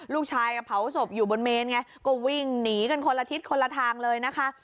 ลูกชายเผาศพอยู่บนเมนไงก็วิ่งหนีกันคนละทิศคนละทางเลยนะคะ